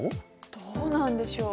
どうなんでしょう。